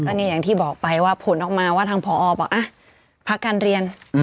นี่อย่างที่บอกไปว่าผลออกมาว่าทางพอบอกพักการเรียน